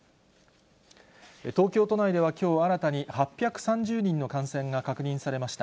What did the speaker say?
東京都内ではきょう、新たに８３０人の感染が確認されました。